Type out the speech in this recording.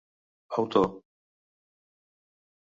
Autor: